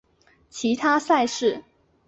其他赛事